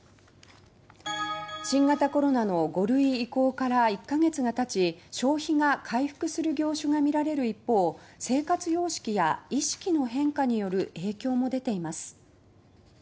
新型コロナの５類移行から１ヶ月が経ち消費が回復する業種が見られる一方生活様式や意識の変化による影響も出ています。